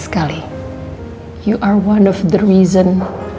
kamu salah satu alasan